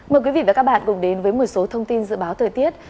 mời quý vị và các bạn cùng đến với một số thông tin dự báo thời tiết